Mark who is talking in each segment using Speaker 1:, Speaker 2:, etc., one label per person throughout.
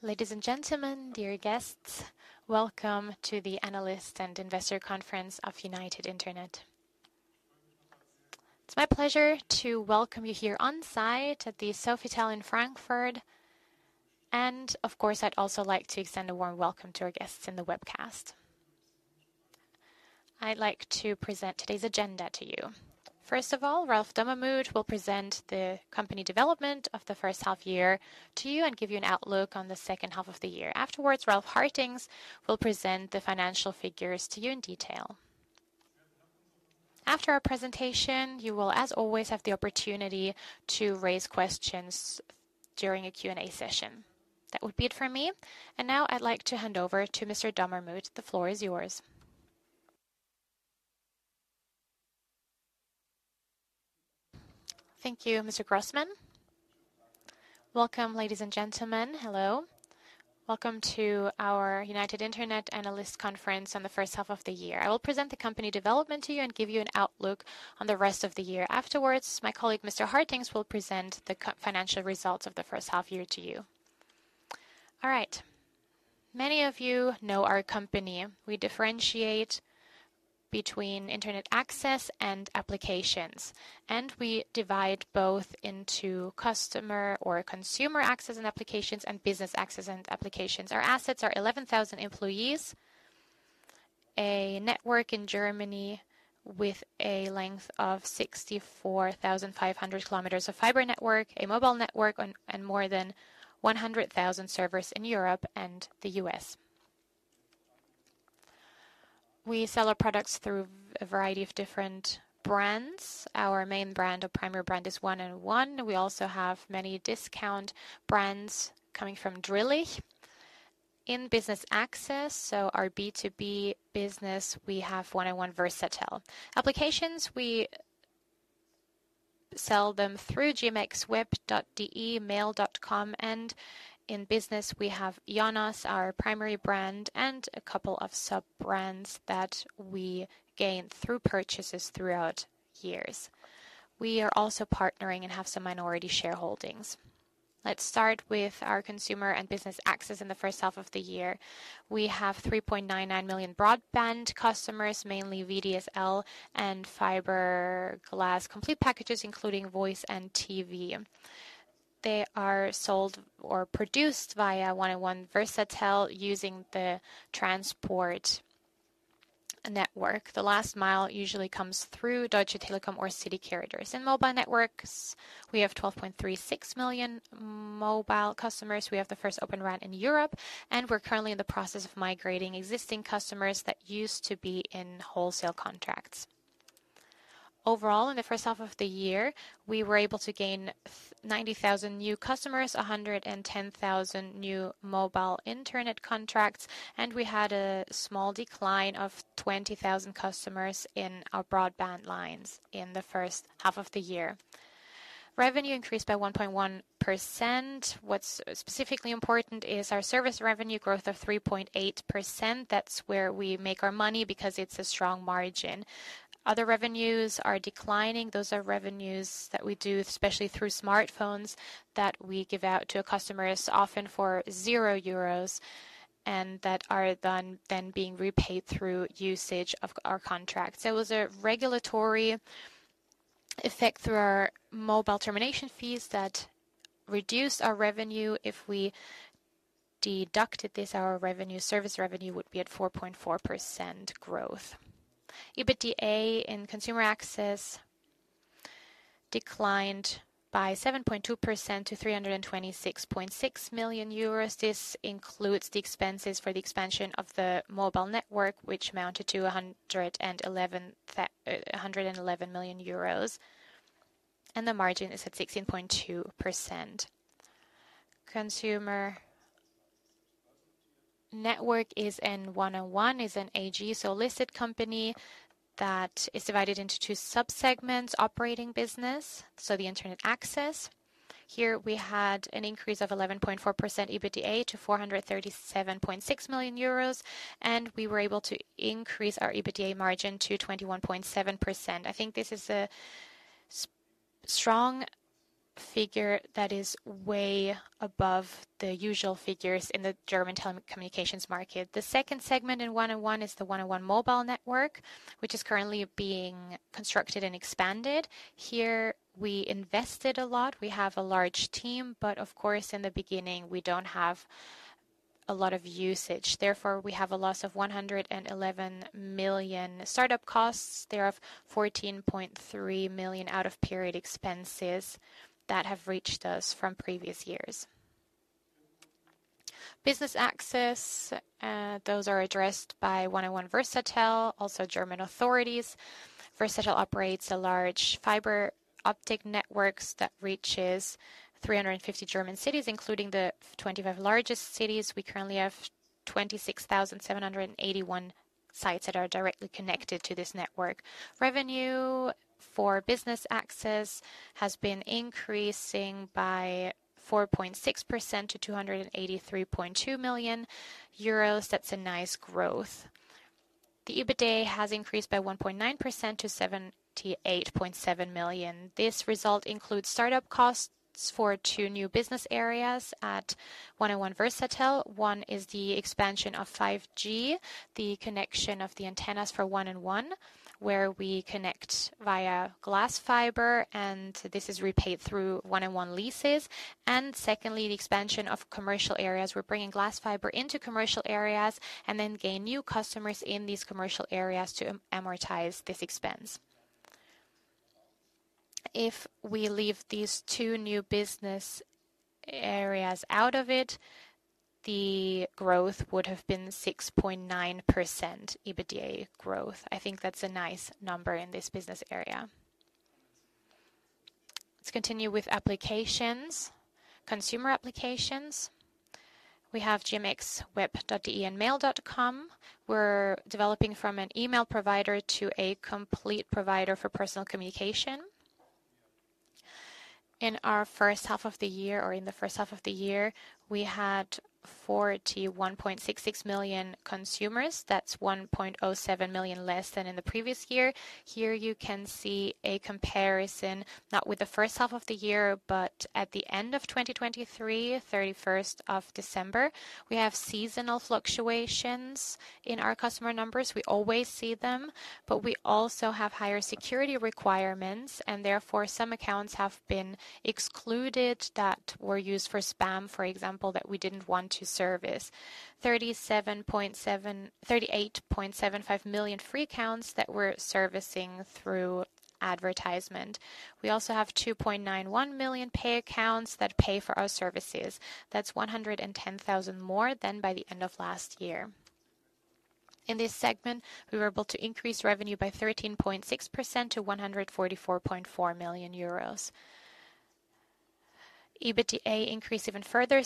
Speaker 1: Ladies and gentlemen, dear guests, welcome to the Analyst and Investor Conference of United Internet. It's my pleasure to welcome you here on-site at the Sofitel in Frankfurt, and of course, I'd also like to extend a warm welcome to our guests in the webcast. I'd like to present today's agenda to you. First of all, Ralph Dommermuth will present the company development of the first half year to you and give you an outlook on the second half of the year. Afterwards, Ralf Hartings will present the financial figures to you in detail. After our presentation, you will, as always, have the opportunity to raise questions during a Q&A session. That would be it for me, and now I'd like to hand over to Mr. Dommermuth. The floor is yours.
Speaker 2: Thank you, Mr. Grossmann. Welcome, ladies and gentlemen. Hello. Welcome to our United Internet Analyst Conference on the first half of the year. I will present the company development to you and give you an outlook on the rest of the year. Afterwards, my colleague, Mr. Hartings, will present the financial results of the first half year to you. All right. Many of you know our company. We differentiate between internet access and applications, and we divide both into customer or consumer access and applications and business access and applications. Our assets are 11,000 employees, a network in Germany with a length of 64,500 km of fiber network, a mobile network, and more than 100,000 servers in Europe and the U.S.. We sell our products through a variety of different brands. Our main brand or primary brand is 1&1. We also have many discount brands coming from Drillisch. In business access, so our B2B business, we have 1&1 Versatel. Applications, we sell them through GMX, Web.de, Mail.com, and in business we have IONOS, our primary brand, and a couple of sub-brands that we gained through purchases throughout years. We are also partnering and have some minority shareholdings. Let's start with our consumer and business access in the first half of the year. We have 3.99 million broadband customers, mainly VDSL and fiber optic, complete packages, including voice and TV. They are sold or produced via 1&1 Versatel using the transport network. The last mile usually comes through Deutsche Telekom or city carriers. In mobile networks, we have 12.36 million mobile customers. We have the first Open RAN in Europe, and we're currently in the process of migrating existing customers that used to be in wholesale contracts. Overall, in the first half of the year, we were able to gain 90,000 new customers, 110,000 new mobile internet contracts, and we had a small decline of 20,000 customers in our broadband lines in the first half of the year. Revenue increased by 1.1%. What's specifically important is our service revenue growth of 3.8%. That's where we make our money because it's a strong margin. Other revenues are declining. Those are revenues that we do, especially through smartphones, that we give out to our customers, often for 0 euros, and that are then being repaid through usage of our contracts. There was a regulatory effect through our mobile termination fees that reduced our revenue. If we deducted this, our revenue, service revenue would be at 4.4% growth. EBITDA in consumer access declined by 7.2% to 326.6 million euros. This includes the expenses for the expansion of the mobile network, which amounted to 111 million euros, and the margin is at 16.2%. Consumer network is in 1&1, is an AG, so a listed company that is divided into two sub-segments: operating business, so the internet access. Here we had an increase of 11.4% EBITDA to 437.6 million euros, and we were able to increase our EBITDA margin to 21.7%. I think this is a strong figure that is way above the usual figures in the German telecommunications market. The second segment in 1&1 is the 1&1 mobile network, which is currently being constructed and expanded. Here, we invested a lot. We have a large team, but of course, in the beginning, we don't have a lot of usage. Therefore, we have a loss of 111 million startup costs. There are 14.3 million out-of-period expenses that have reached us from previous years. Business access, those are addressed by 1&1 Versatel, also German authorities. Versatel operates a large fiber optic networks that reaches 350 German cities, including the 25 largest cities. We currently have 26,781 sites that are directly connected to this network. Revenue for business access has been increasing by 4.6% to 283.2 million euros. That's a nice growth.... The EBITDA has increased by 1.9% to 78.7 million. This result includes startup costs for two new business areas at 1&1 Versatel. One is the expansion of 5G, the connection of the antennas for 1&1, where we connect via glass fiber, and this is repaid through 1&1 leases. And secondly, the expansion of commercial areas. We're bringing glass fiber into commercial areas and then gain new customers in these commercial areas to amortize this expense. If we leave these two new business areas out of it, the growth would have been 6.9% EBITDA growth. I think that's a nice number in this business area. Let's continue with applications. Consumer applications. We have GMX, Web.de, and Mail.com. We're developing from an email provider to a complete provider for personal communication. In our first half of the year, or in the first half of the year, we had 41.66 million consumers. That's 1.07 million less than in the previous year. Here you can see a comparison, not with the first half of the year, but at the end of 2023, December 31. We have seasonal fluctuations in our customer numbers. We always see them, but we also have higher security requirements, and therefore, some accounts have been excluded that were used for spam, for example, that we didn't want to service. 38.75 million free accounts that we're servicing through advertisement. We also have 2.91 million paid accounts that pay for our services. That's 110,000 more than by the end of last year. In this segment, we were able to increase revenue by 13.6% to 144.4 million euros. EBITDA increased even further,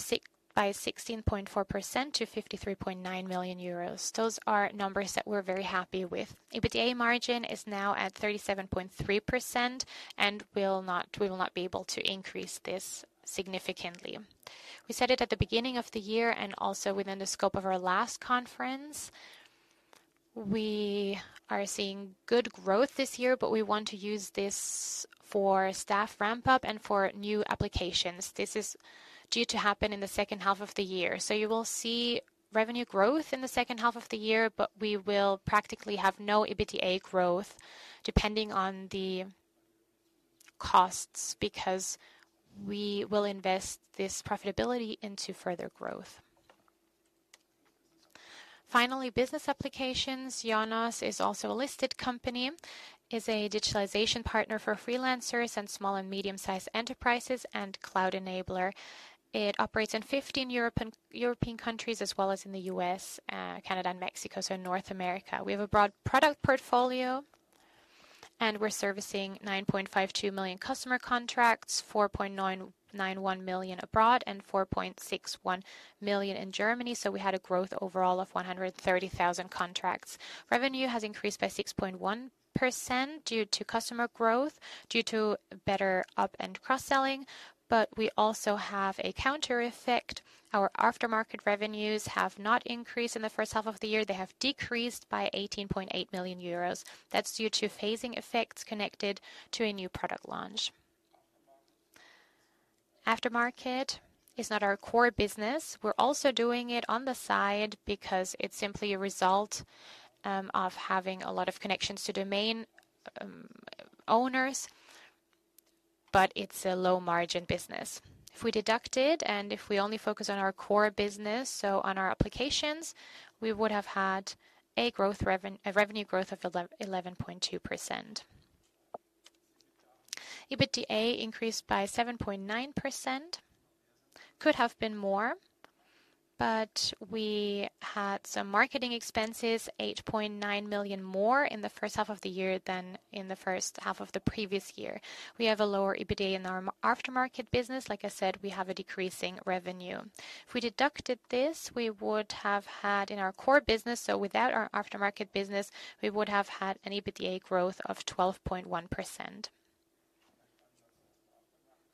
Speaker 2: by 16.4% to 53.9 million euros. Those are numbers that we're very happy with. EBITDA margin is now at 37.3%, and we'll not, we will not be able to increase this significantly. We said it at the beginning of the year and also within the scope of our last conference, we are seeing good growth this year, but we want to use this for staff ramp-up and for new applications. This is due to happen in the second half of the year. So you will see revenue growth in the second half of the year, but we will practically have no EBITDA growth, depending on the costs, because we will invest this profitability into further growth. Finally, business applications. IONOS is also a listed company, is a digitalization partner for freelancers and small and medium-sized enterprises and cloud enabler. It operates in 15 European countries as well as in the U.S., Canada and Mexico, so North America. We have a broad product portfolio, and we're servicing 9.52 million customer contracts, 4.991 million abroad, and 4.61 million in Germany, so we had a growth overall of 130,000 contracts. Revenue has increased by 6.1% due to customer growth, due to better up- and cross-selling, but we also have a counter effect. Our aftermarket revenues have not increased in the first half of the year. They have decreased by 18.8 million euros. That's due to phasing effects connected to a new product launch. Aftermarket is not our core business. We're also doing it on the side because it's simply a result of having a lot of connections to domain owners, but it's a low-margin business. If we deduct it and if we only focus on our core business, so on our applications, we would have had a revenue growth of 11.2%. EBITDA increased by 7.9%. Could have been more, but we had some marketing expenses, 8.9 million more in the first half of the year than in the first half of the previous year. We have a lower EBITDA in our aftermarket business. Like I said, we have a decreasing revenue. If we deducted this, we would have had in our core business, so without our aftermarket business, we would have had an EBITDA growth of 12.1%.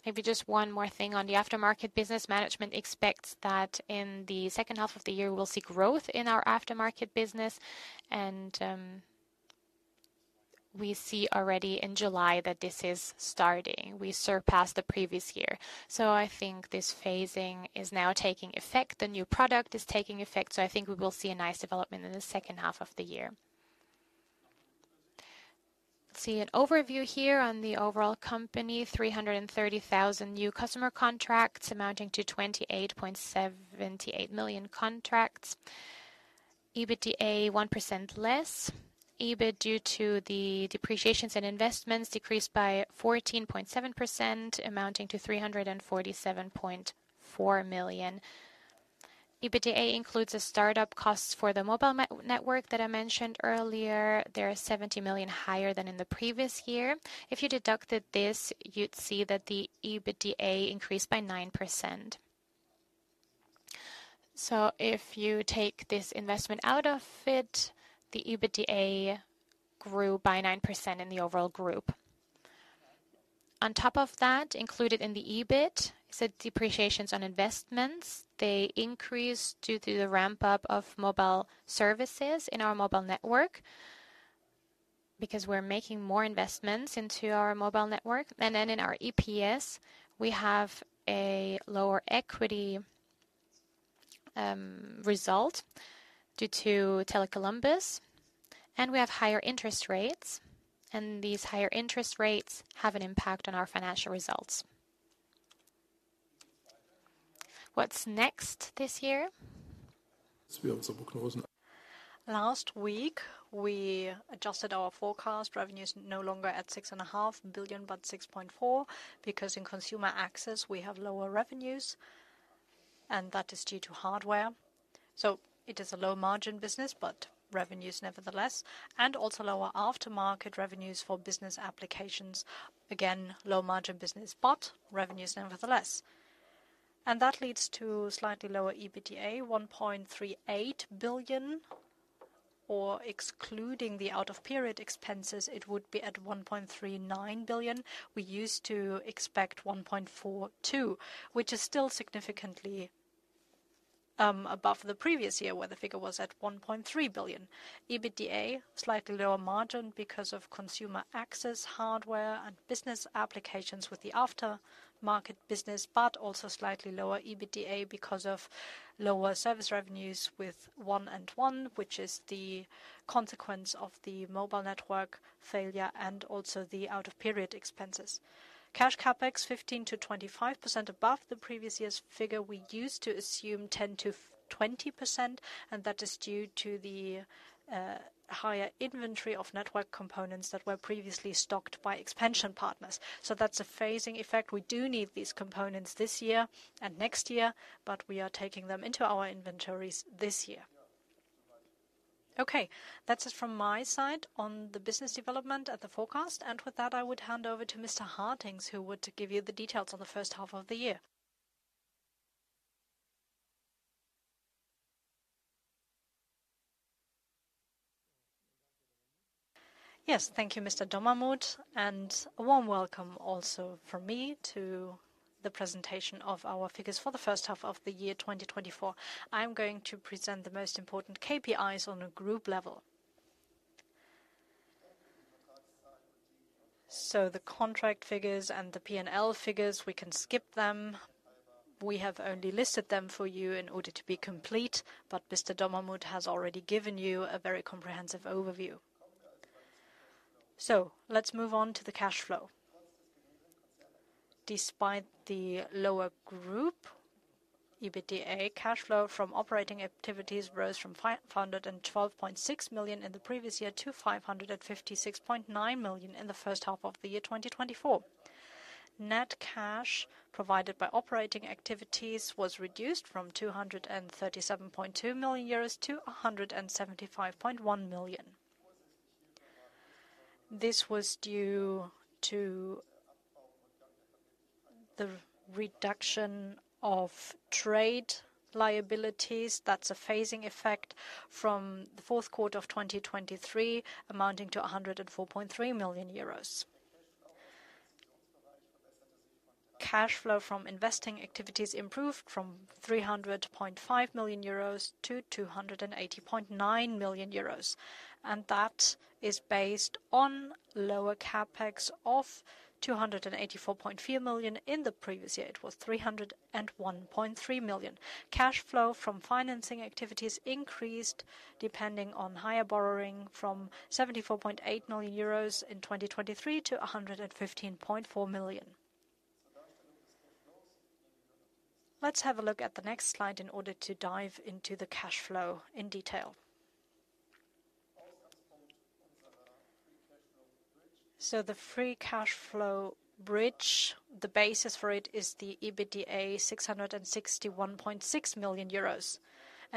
Speaker 2: Maybe just one more thing on the aftermarket business. Management expects that in the second half of the year, we'll see growth in our aftermarket business, and we see already in July that this is starting. We surpassed the previous year. So I think this phasing is now taking effect. The new product is taking effect, so I think we will see a nice development in the second half of the year. Let's see an overview here on the overall company, 330,000 new customer contracts, amounting to 28.78 million contracts. EBITDA, 1% less. EBITDA, due to the depreciations in investments, decreased by 14.7%, amounting to 347.4 million. EBITDA includes the startup costs for the mobile network that I mentioned earlier. They are 70 million higher than in the previous year. If you deducted this, you'd see that the EBITDA increased by 9%. So if you take this investment out of it, the EBITDA grew by 9% in the overall group. On top of that, included in the EBITDA, so depreciations on investments, they increased due to the ramp-up of mobile services in our mobile network, because we're making more investments into our mobile network. And then in our EPS, we have a lower equity result due to Tele Columbus, and we have higher interest rates, and these higher interest rates have an impact on our financial results. What's next this year? Last week, we adjusted our forecast. Revenue is no longer at 6.5 billion, but 6.4 billion, because in consumer access we have lower revenues, and that is due to hardware. So it is a low-margin business, but revenues nevertheless, and also lower aftermarket revenues for business applications. Again, low-margin business, but revenues nevertheless. And that leads to slightly lower EBITDA, 1.38 billion, or excluding the out-of-period expenses, it would be at 1.39 billion. We used to expect 1.42 billion, which is still significantly above the previous year, where the figure was at 1.3 billion. EBITDA, slightly lower margin because of consumer access, hardware, and business applications with the aftermarket business, but also slightly lower EBITDA because of lower service revenues with 1&1, which is the consequence of the mobile network failure and also the out-of-period expenses. Cash CapEx, 15%-25% above the previous year's figure. We used to assume 10%-20%, and that is due to the higher inventory of network components that were previously stocked by expansion partners. So that's a phasing effect. We do need these components this year and next year, but we are taking them into our inventories this year. Okay, that's it from my side on the business development at the forecast. And with that, I would hand over to Mr. Hartings, who would give you the details on the first half of the year.
Speaker 3: Yes, thank you, Mr. Dommermuth, and a warm welcome also from me to the presentation of our figures for the first half of the year 2024. I'm going to present the most important KPIs on a group level. So the contract figures and the P&L figures, we can skip them. We have only listed them for you in order to be complete, but Mr. Dommermuth has already given you a very comprehensive overview. So let's move on to the cash flow. Despite the lower group EBITDA, cash flow from operating activities rose from 412.6 million in the previous year to 556.9 million in the first half of the year 2024. Net cash provided by operating activities was reduced from 237.2 million euros to 175.1 million. This was due to the reduction of trade liabilities. That's a phasing effect from the fourth quarter of 2023, amounting to EUR 104.3 million. Cash flow from investing activities improved from 300.5 million euros to 280.9 million euros, and that is based on lower CapEx of 284.4 million. In the previous year, it was 301.3 million. Cash flow from financing activities increased, depending on higher borrowing, from 74.8 million euros in 2023 to 115.4 million. Let's have a look at the next slide in order to dive into the cash flow in detail. So the free cash flow bridge, the basis for it is the EBITDA, 661.6 million euros.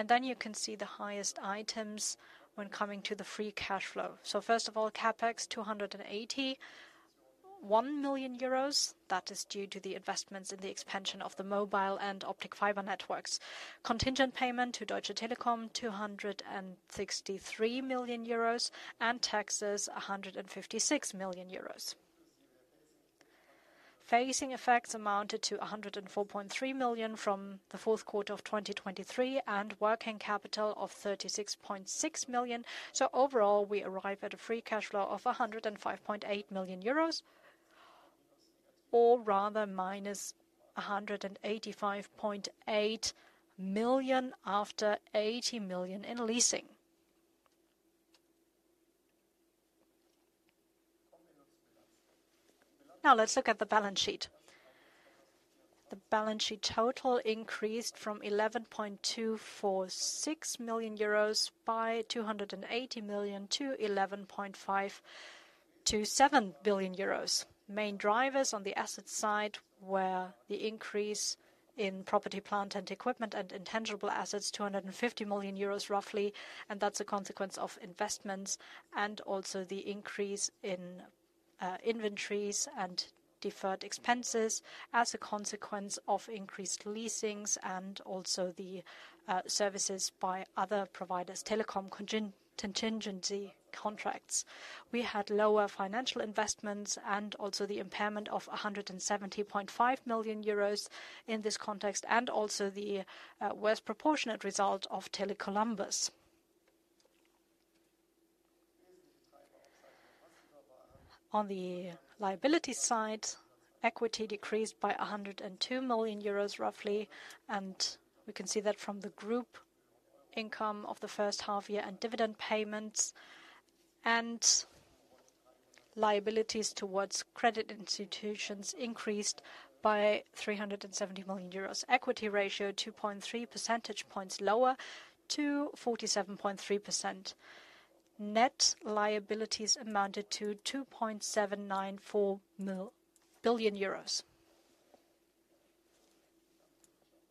Speaker 3: Then you can see the highest items when coming to the free cash flow. First of all, CapEx, 281 million euros. That is due to the investments in the expansion of the mobile and optic fiber networks. Contingent payment to Deutsche Telekom, 263 million euros, and taxes, 156 million euros. Phasing effects amounted to 104.3 million from the fourth quarter of 2023, and working capital of 36.6 million. Overall, we arrive at a free cash flow of 105.8 million euros, or rather minus 185.8 million, after 80 million in leasing. Now, let's look at the balance sheet. The balance sheet total increased from 11.246 billion euros by 280 million to 11.527 billion euros. Main drivers on the asset side were the increase in property, plant, and equipment, and intangible assets, 250 million euros, roughly, and that's a consequence of investments and also the increase in inventories and deferred expenses as a consequence of increased leasings and also the services by Telekom contingent contracts. we had lower financial investments and also the impairment of 170.5 million euros in this context, and also the worst proportionate result of Tele Columbus. On the liability side, equity decreased by 102 million euros, roughly, and we can see that from the group income of the first half year and dividend payments. Liabilities towards credit institutions increased by 370 million euros. Equity ratio, 2.3 percentage points lower to 47.3%. Net liabilities amounted to EUR 2.794 billion.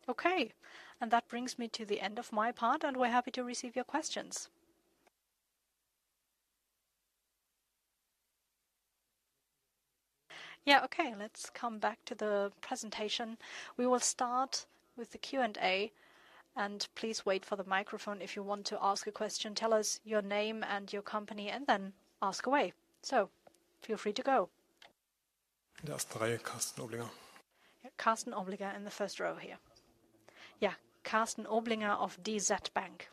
Speaker 3: Okay, and that brings me to the end of my part, and we're happy to receive your questions.
Speaker 1: Yeah, okay, let's come back to the presentation. We will start with the Q&A, and please wait for the microphone. If you want to ask a question, tell us your name and your company, and then ask away. So feel free to go.
Speaker 2: Just Karsten Oblinger.
Speaker 3: Yeah, Karsten Oblinger in the first row here.
Speaker 4: Yeah, Karsten Oblinger of DZ Bank.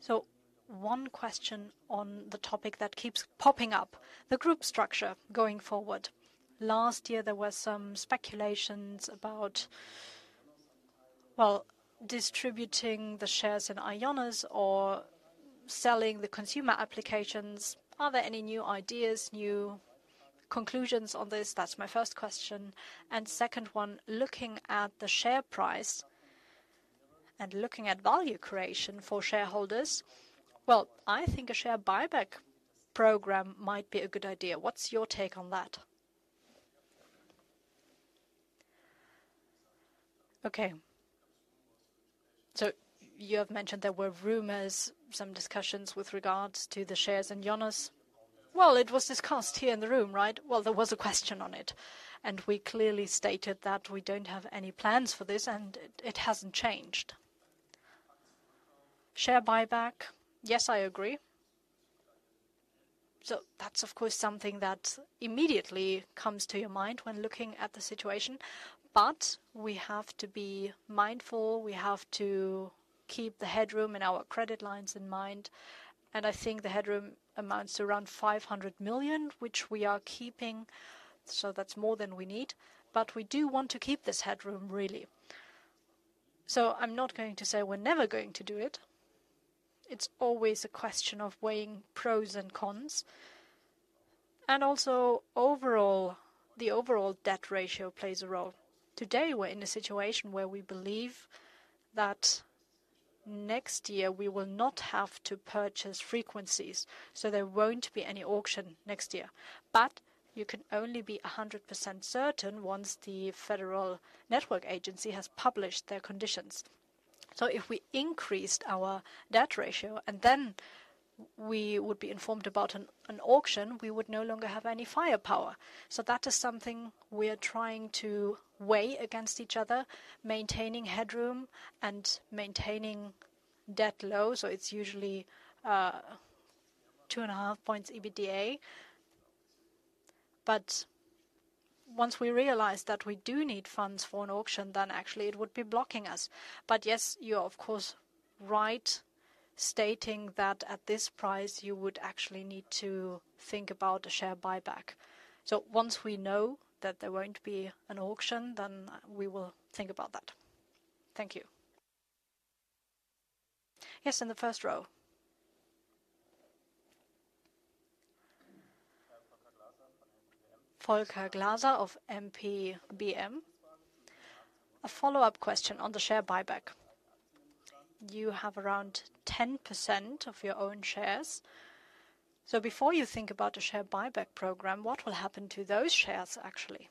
Speaker 4: So one question on the topic that keeps popping up: the group structure going forward. Last year, there were some speculations about, well, distributing the shares in IONOS or selling the consumer applications. Are there any new ideas, new conclusions on this? That's my first question. And second one: looking at the share price and looking at value creation for shareholders, well, I think a share buyback program might be a good idea. What's your take on that?
Speaker 2: Okay. So you have mentioned there were rumors, some discussions with regards to the shares in IONOS. Well, it was discussed here in the room, right? Well, there was a question on it, and we clearly stated that we don't have any plans for this, and it, it hasn't changed. Share buyback, yes, I agree. So that's, of course, something that immediately comes to your mind when looking at the situation, but we have to be mindful. We have to keep the headroom in our credit lines in mind, and I think the headroom amounts to around 500 million, which we are keeping, so that's more than we need. But we do want to keep this headroom, really. So I'm not going to say we're never going to do it. It's always a question of weighing pros and cons. And also, overall, the overall debt ratio plays a role. Today, we're in a situation where we believe that next year we will not have to purchase frequencies, so there won't be any auction next year. But you can only be 100% certain once the Federal Network Agency has published their conditions. So if we increased our debt ratio and then we would be informed about an auction, we would no longer have any firepower. So that is something we are trying to weigh against each other, maintaining headroom and maintaining debt low, so it's usually 2.5 points EBITDA. But once we realize that we do need funds for an auction, then actually it would be blocking us. But yes, you are, of course, right, stating that at this price, you would actually need to think about a share buyback. So once we know that there won't be an auction, then we will think about that. Thank you. Yes, in the first row.
Speaker 5: Volker Glaser of MPPM. Volker Glaser of MPPM. A follow-up question on the share buyback. You have around 10% of your own shares. So before you think about a share buyback program, what will happen to those shares, actually?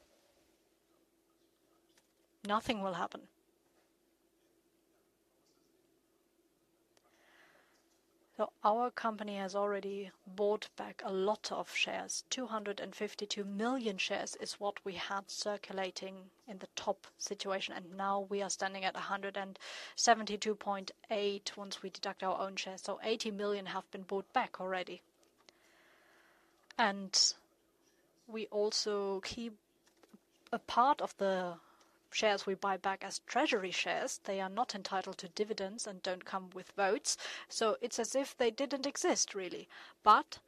Speaker 3: Nothing will happen. So our company has already bought back a lot of shares. 252 million shares is what we had circulating in the top situation, and now we are standing at 172.8 once we deduct our own shares. So 80 million have been bought back already. And we also keep a part of the shares we buy back as treasury shares. They are not entitled to dividends and don't come with votes, so it's as if they didn't exist, really. But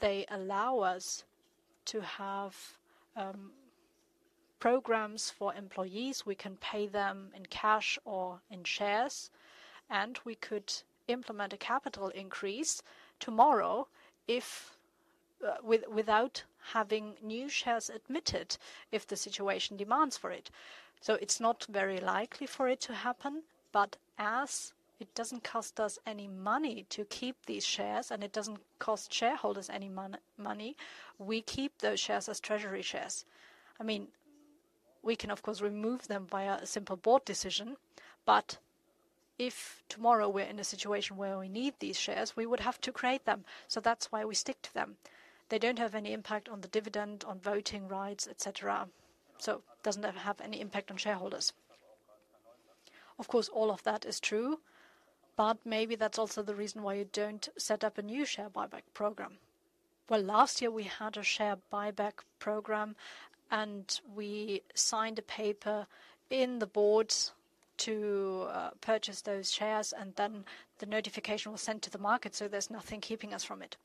Speaker 3: they allow us to have programs for employees. We can pay them in cash or in shares, and we could implement a capital increase tomorrow if without having new shares admitted, if the situation demands for it. So it's not very likely for it to happen, but as it doesn't cost us any money to keep these shares and it doesn't cost shareholders any money, we keep those shares as treasury shares. I mean, we can of course remove them via a simple board decision. But if tomorrow we're in a situation where we need these shares, we would have to create them. So that's why we stick to them. They don't have any impact on the dividend, on voting rights, et cetera, so doesn't have any impact on shareholders.
Speaker 5: Of course, all of that is true, but maybe that's also the reason why you don't set up a new share buyback program.
Speaker 3: Well, last year we had a share buyback program, and we signed a paper in the boards to purchase those shares, and then the notification was sent to the market, so there's nothing keeping us from it.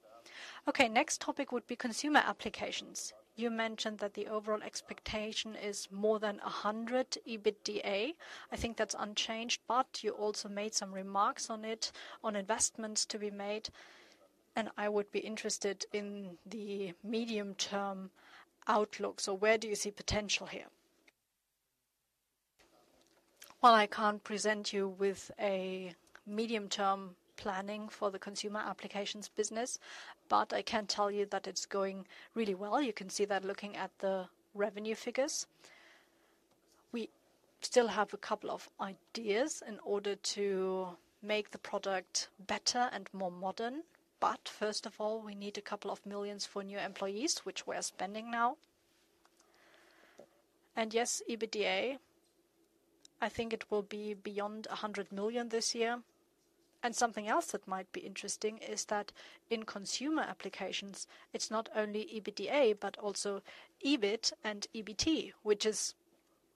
Speaker 5: Okay, next topic would be consumer applications. You mentioned that the overall expectation is more than 100 EBITDA. I think that's unchanged, but you also made some remarks on it, on investments to be made, and I would be interested in the medium-term outlook. So where do you see potential here?
Speaker 3: Well, I can't present you with a medium-term planning for the consumer applications business, but I can tell you that it's going really well. You can see that looking at the revenue figures. We still have a couple of ideas in order to make the product better and more modern, but first of all, we need a couple of million EUR for new employees, which we are spending now. And yes, EBITDA, I think it will be beyond 100 million this year. And something else that might be interesting is that in consumer applications, it's not only EBITDA, but also EBITDA and EBT, which is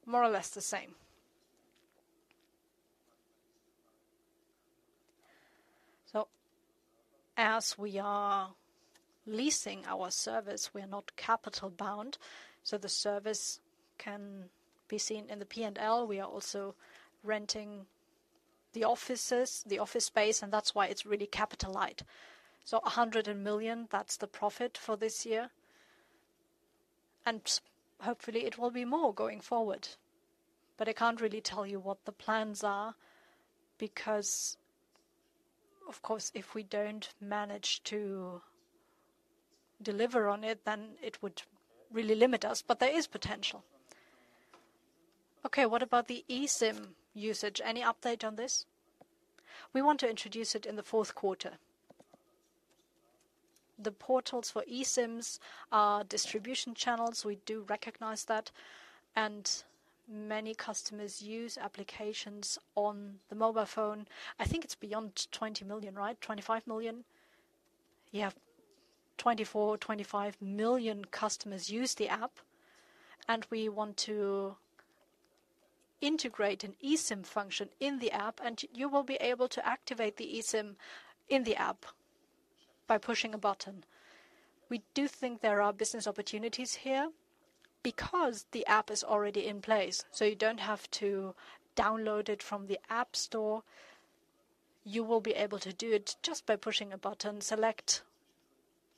Speaker 3: more or less the same. So as we are leasing our service, we are not capital bound, so the service can be seen in the P&L. We are also renting the offices, the office space, and that's why it's really capital light. So 100 million, that's the profit for this year, and hopefully it will be more going forward. But I can't really tell you what the plans are because, of course, if we don't manage to deliver on it, then it would really limit us. But there is potential.
Speaker 5: Okay, what about the eSIM usage? Any update on this?
Speaker 2: We want to introduce it in the fourth quarter. The portals for eSIMs are distribution channels. We do recognize that, and many customers use applications on the mobile phone. I think it's beyond 20 million, right? 25 million. Yeah. 24 million-25 million customers use the app, and we want to integrate an eSIM function in the app, and you will be able to activate the eSIM in the app by pushing a button. We do think there are business opportunities here because the app is already in place, so you don't have to download it from the app store. You will be able to do it just by pushing a button, select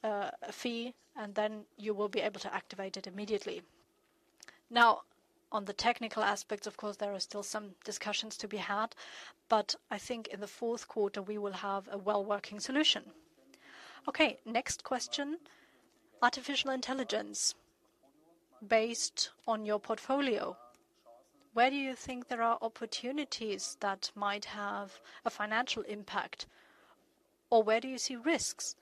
Speaker 2: a fee, and then you will be able to activate it immediately. Now, on the technical aspects, of course, there are still some discussions to be had, but I think in the fourth quarter we will have a well-working solution.
Speaker 5: Okay, next question: artificial intelligence. Based on your portfolio, where do you think there are opportunities that might have a financial impact, or where do you see risks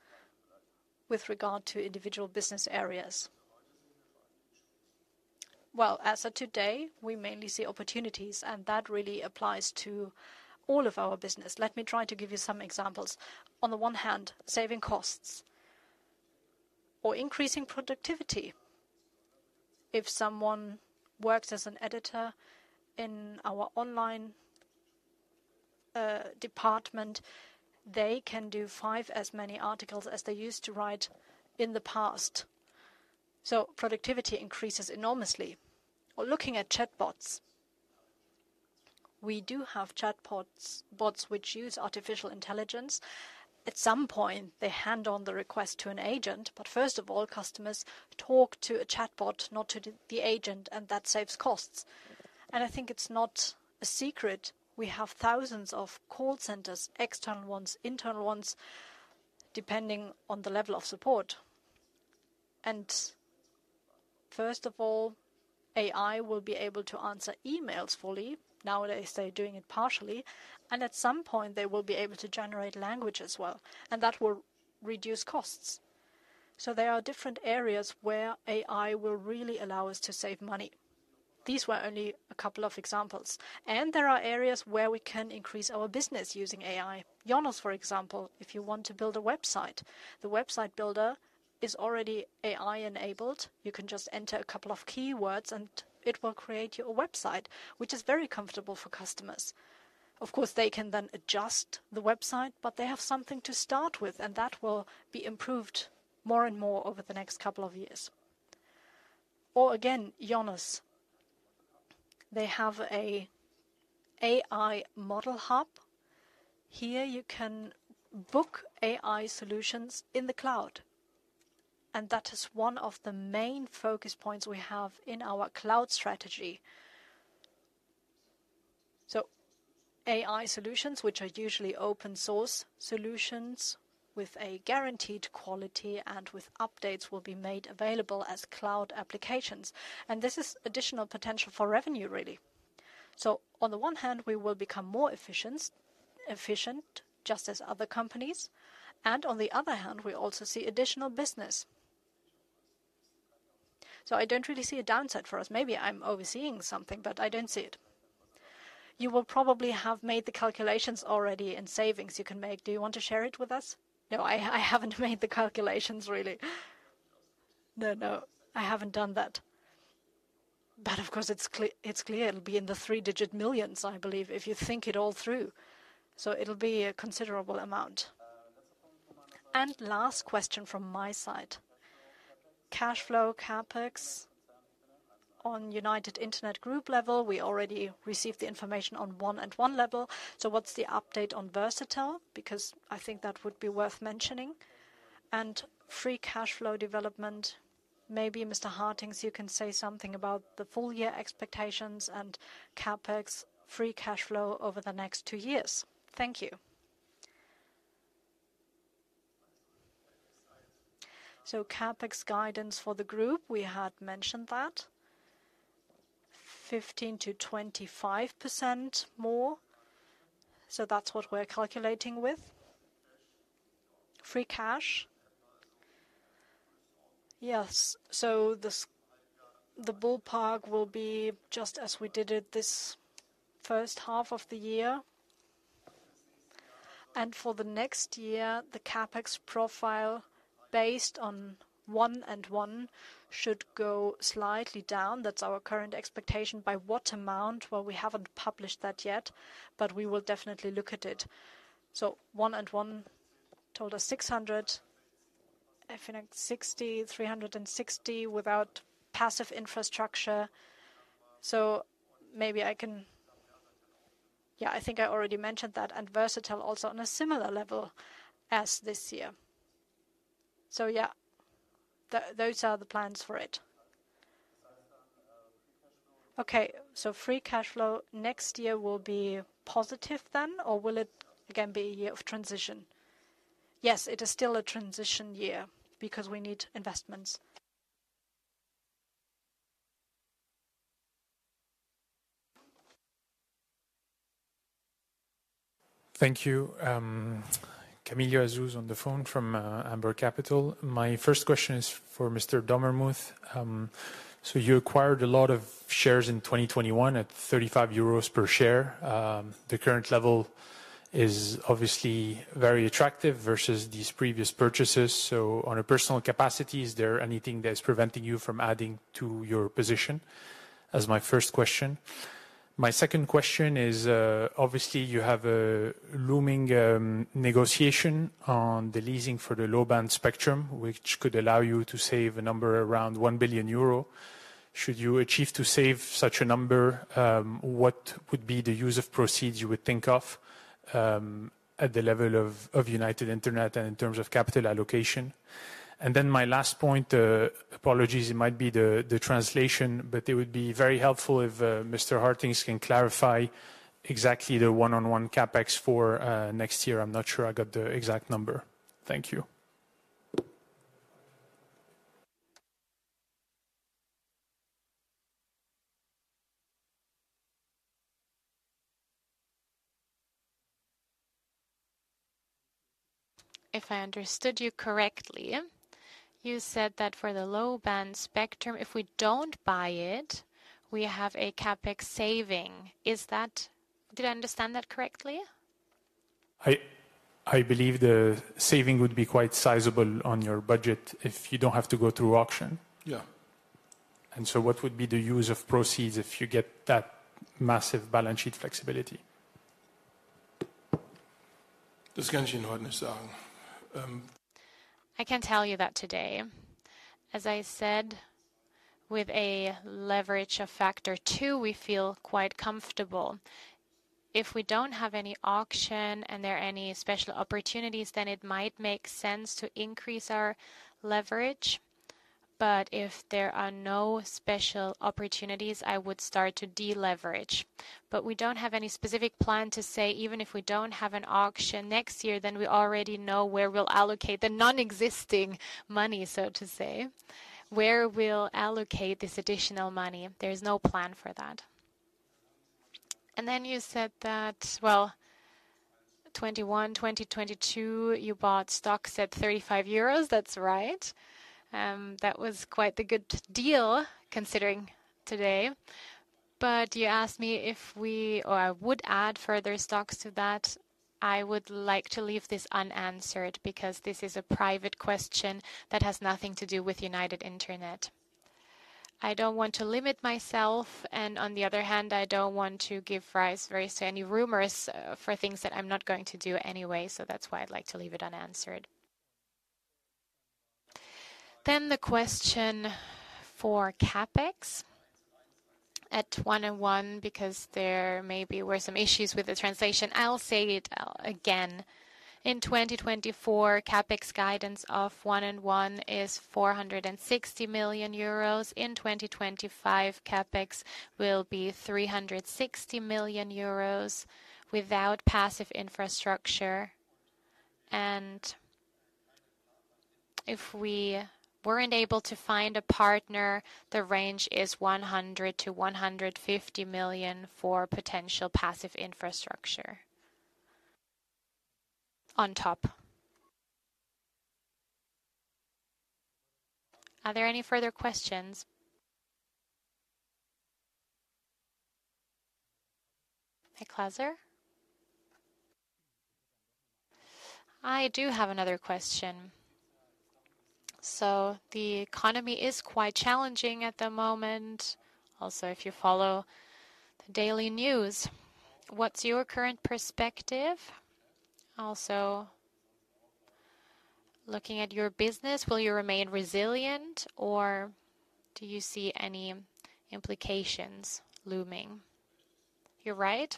Speaker 5: with regard to individual business areas?
Speaker 2: Well, as of today, we mainly see opportunities, and that really applies to all of our business. Let me try to give you some examples. On the one hand, saving costs or increasing productivity. If someone works as an editor in our online department, they can do five as many articles as they used to write in the past, so productivity increases enormously. Or looking at chatbots, we do have chatbots, bots which use artificial intelligence. At some point, they hand on the request to an agent, but first of all, customers talk to a chatbot, not to the agent, and that saves costs. And I think it's not a secret, we have thousands of call centers, external ones, internal ones, depending on the level of support. And first of all, AI will be able to answer emails fully. Nowadays, they're doing it partially, and at some point they will be able to generate language as well, and that will reduce costs. So there are different areas where AI will really allow us to save money. These were only a couple of examples, and there are areas where we can increase our business using AI. IONOS, for example, if you want to build a website, the Website Builder is already AI-enabled. You can just enter a couple of keywords and it will create you a website, which is very comfortable for customers. Of course, they can then adjust the website, but they have something to start with, and that will be improved more and more over the next couple of years. Or again, IONOS, they have an AI Model Hub. Here you can book AI solutions in the cloud, and that is one of the main focus points we have in our cloud strategy. So AI solutions, which are usually open source solutions with a guaranteed quality and with updates, will be made available as cloud applications. And this is additional potential for revenue, really. So on the one hand, we will become more efficient, just as other companies, and on the other hand, we also see additional business. So I don't really see a downside for us. Maybe I'm overseeing something, but I don't see it.
Speaker 5: You will probably have made the calculations already in savings you can make. Do you want to share it with us?
Speaker 2: No, I haven't made the calculations, really. No, no, I haven't done that. But of course, it's clear it'll be in the EUR three-digit millions, I believe, if you think it all through, so it'll be a considerable amount.
Speaker 5: And last question from my side: cash flow, CapEx. On United Internet group level, we already received the information on 1&1 level, so what's the update on Versatel? Because I think that would be worth mentioning. And free cash flow development, maybe Mr. Hartings, you can say something about the full year expectations and CapEx free cash flow over the next two years. Thank you.
Speaker 3: So CapEx guidance for the group, we had mentioned that, 15%-25% more, so that's what we're calculating with. Free cash? Yes. So the ballpark will be just as we did it this first half of the year. And for the next year, the CapEx profile, based on 1&1, should go slightly down. That's our current expectation. By what amount? Well, we haven't published that yet, but we will definitely look at it. So 1&1 told us 650, 360 without passive infrastructure, so maybe I can... Yeah, I think I already mentioned that, and Versatel also on a similar level as this year. So yeah, those are the plans for it.
Speaker 5: Okay, so free cash flow next year will be positive then, or will it again be a year of transition?
Speaker 3: Yes, it is still a transition year because we need investments.
Speaker 6: Thank you. Camillo Azzi on the phone from Amber Capital. My first question is for Mr. Dommermuth. So you acquired a lot of shares in 2021 at 35 euros per share. The current level is obviously very attractive versus these previous purchases. So on a personal capacity, is there anything that is preventing you from adding to your position? That's my first question. My second question is, obviously, you have a looming negotiation on the leasing for the low-band spectrum, which could allow you to save a number around 1 billion euro. Should you achieve to save such a number, what would be the use of proceeds you would think of, at the level of United Internet and in terms of capital allocation? And then my last point, apologies, it might be the translation, but it would be very helpful if Mr. Hartings can clarify exactly the 1&1 CapEx for next year. I'm not sure I got the exact number. Thank you.
Speaker 2: If I understood you correctly, you said that for the low-band spectrum, if we don't buy it, we have a CapEx saving. Is that... Did I understand that correctly?
Speaker 6: I believe the saving would be quite sizable on your budget if you don't have to go through auction.
Speaker 2: Yeah.
Speaker 6: What would be the use of proceeds if you get that massive balance sheet flexibility?
Speaker 2: I can tell you that today. As I said, with a leverage of factor 2, we feel quite comfortable. If we don't have any auction and there are any special opportunities, then it might make sense to increase our leverage. But if there are no special opportunities, I would start to deleverage. But we don't have any specific plan to say, even if we don't have an auction next year, then we already know where we'll allocate the non-existing money, so to say, where we'll allocate this additional money. There's no plan for that. And then you said that, well, 2021, 2022, you bought stocks at 35 euros. That's right. That was quite the good deal, considering today. But you asked me if we or I would add further stocks to that. I would like to leave this unanswered because this is a private question that has nothing to do with United Internet. I don't want to limit myself, and on the other hand, I don't want to give rise to any rumors for things that I'm not going to do anyway, so that's why I'd like to leave it unanswered.
Speaker 3: Then the question for CapEx at 1&1, because there maybe were some issues with the translation, I'll say it again. In 2024, CapEx guidance of 1&1 is 460 million euros. In 2025, CapEx will be 360 million euros without passive infrastructure. And if we weren't able to find a partner, the range is 100 million-150 million for potential passive infrastructure on top. Are there any further questions? Hey, Glaser?
Speaker 6: I do have another question. So the economy is quite challenging at the moment, also, if you follow the daily news. What's your current perspective? Also, looking at your business, will you remain resilient, or do you see any implications looming?
Speaker 2: You're right.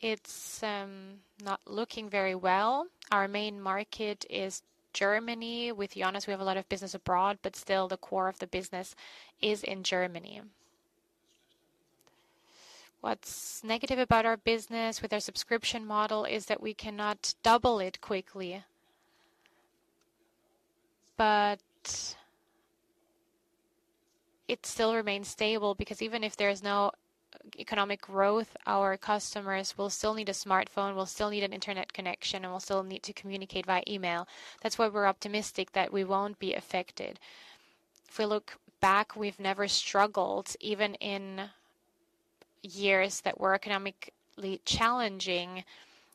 Speaker 2: It's not looking very well. Our main market is Germany. With IONOS, we have a lot of business abroad, but still, the core of the business is in Germany. What's negative about our business, with our subscription model, is that we cannot double it quickly. But it still remains stable because even if there is no economic growth, our customers will still need a smartphone, will still need an internet connection, and will still need to communicate via email. That's why we're optimistic that we won't be affected. If we look back, we've never struggled, even in years that were economically challenging.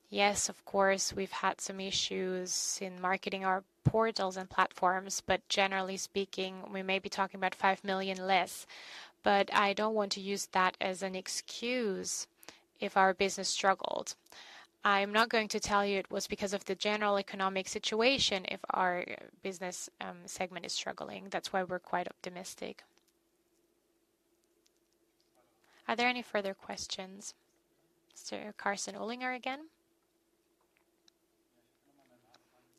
Speaker 2: Yes, of course, we've had some issues in marketing our portals and platforms, but generally speaking, we may be talking about 5 million less, but I don't want to use that as an excuse if our business struggled. I'm not going to tell you it was because of the general economic situation if our business segment is struggling. That's why we're quite optimistic. Are there any further questions?
Speaker 4: So Karsten Oblinger again.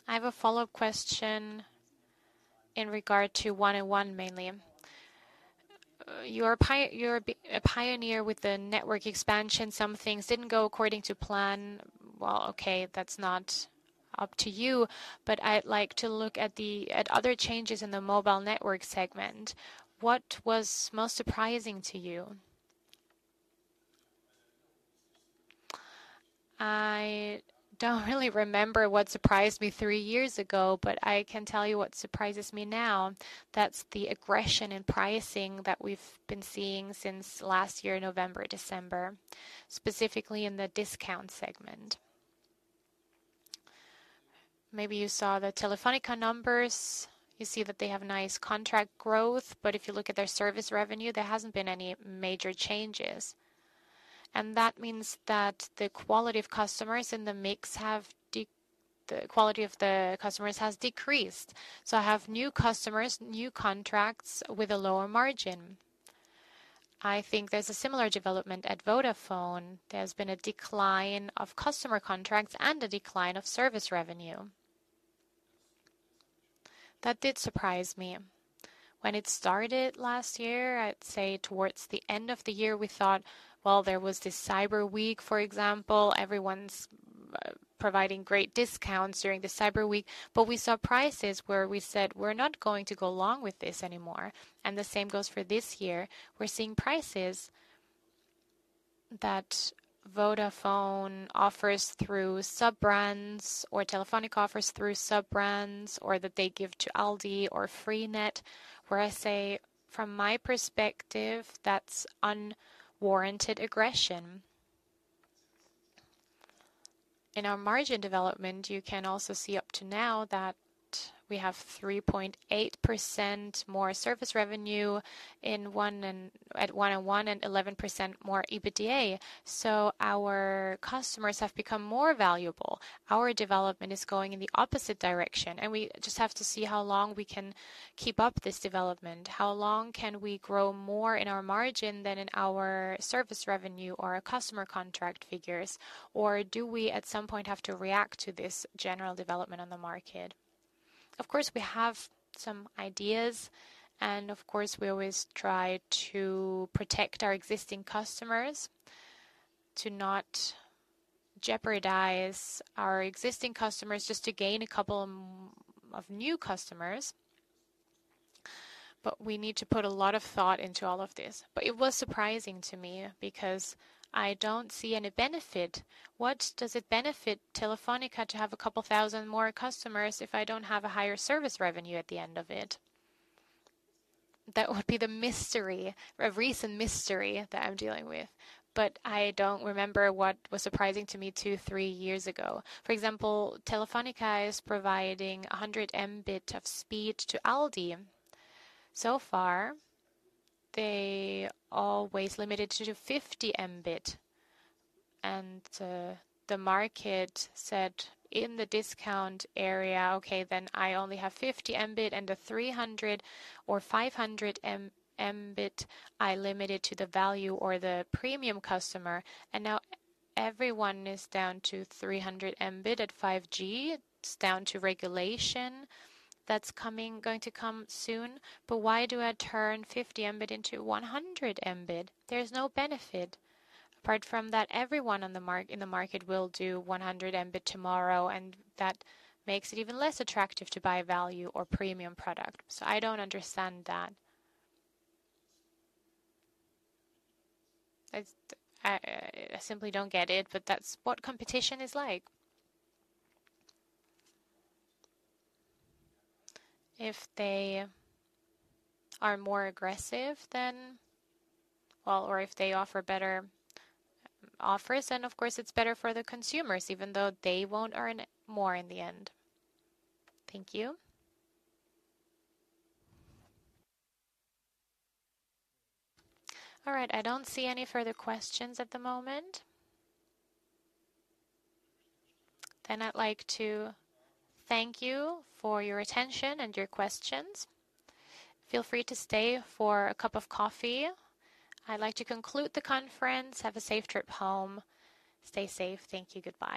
Speaker 4: I have a follow-up question in regard to one and one, mainly. You're a pioneer with the network expansion. Some things didn't go according to plan. Well, okay, that's not up to you, but I'd like to look at other changes in the mobile network segment. What was most surprising to you?
Speaker 2: I don't really remember what surprised me three years ago, but I can tell you what surprises me now. That's the aggression in pricing that we've been seeing since last year, November, December, specifically in the discount segment. Maybe you saw the Telefónica numbers. You see that they have nice contract growth, but if you look at their service revenue, there hasn't been any major changes. And that means that the quality of customers in the mix has decreased. So I have new customers, new contracts with a lower margin. I think there's a similar development at Vodafone. There's been a decline of customer contracts and a decline of service revenue. That did surprise me. When it started last year, I'd say towards the end of the year, we thought, well, there was this Cyber Week, for example. Everyone's providing great discounts during the Cyber Week, but we saw prices where we said, "We're not going to go along with this anymore." And the same goes for this year. We're seeing prices that Vodafone offers through sub-brands or Telefónica offers through sub-brands or that they give to Aldi or Freenet, where I say, from my perspective, that's unwarranted aggression. In our margin development, you can also see up to now that we have 3.8% more service revenue in 1&1 and 11% more EBITDA, so our customers have become more valuable. Our development is going in the opposite direction, and we just have to see how long we can keep up this development. How long can we grow more in our margin than in our service revenue or our customer contract figures? Or do we, at some point, have to react to this general development on the market? Of course, we have some ideas, and of course, we always try to protect our existing customers, to not jeopardize our existing customers just to gain a couple of new customers. But we need to put a lot of thought into all of this. But it was surprising to me because I don't see any benefit. What does it benefit Telefónica to have a couple thousand more customers if I don't have a higher service revenue at the end of it? That would be the mystery, a recent mystery that I'm dealing with, but I don't remember what was surprising to me two, three years ago. For example, Telefónica is providing 100 Mbit of speed to Aldi. So far, they always limited to 50 Mbit, and the market said in the discount area, "Okay, then I only have 50 Mbit, and the 300 or 500 Mbit, I limit it to the value or the premium customer." And now everyone is down to 300 Mbit at 5G. It's down to regulation. That's coming, going to come soon. But why do I turn 50 Mbit into 100 Mbit? There's no benefit. Apart from that, everyone in the market will do 100 Mbit tomorrow, and that makes it even less attractive to buy value or premium product, so I don't understand that. I, I simply don't get it, but that's what competition is like. If they are more aggressive, then... Well, or if they offer better offers, then, of course, it's better for the consumers, even though they won't earn more in the end.
Speaker 4: Thank you.
Speaker 2: All right, I don't see any further questions at the moment. Then I'd like to thank you for your attention and your questions. Feel free to stay for a cup of coffee. I'd like to conclude the conference. Have a safe trip home. Stay safe. Thank you. Goodbye.